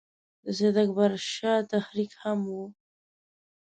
د سید اکبر شاه تحریک هم وو.